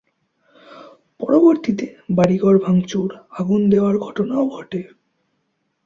পরবর্তীতে বাড়িঘর ভাঙচুর, আগুন দেয়ার ঘটনাও ঘটে।